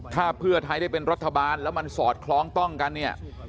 ถ้าเพื่อไทยได้เป็นรัฐบาลแล้วมันสอดคล้องต้องกันเนี่ย